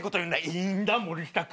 「いいんだ森下君」